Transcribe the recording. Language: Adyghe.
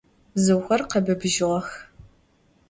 Bzıuxer khebıbıjığex.